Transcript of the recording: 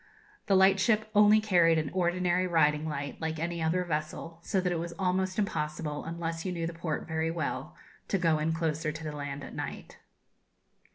The lightship only carried an ordinary riding light, like any other vessel, so that it was almost impossible, unless you knew the port very well, to go in closer to the land at night.